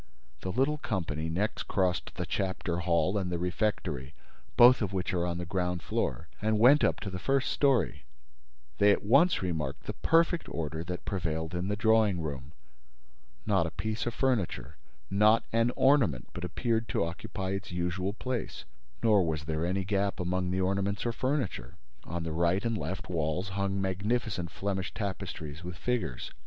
The little company next crossed the chapter hall and the refectory, both of which are on the ground floor, and went up to the first story. They at once remarked the perfect order that prevailed in the drawing room. Not a piece of furniture, not an ornament but appeared to occupy its usual place; nor was there any gap among the ornaments or furniture. On the right and left walls hung magnificent Flemish tapestries with figures.